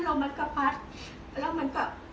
สวัสดีทุกคน